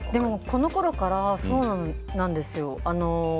このころからそうなんですよ。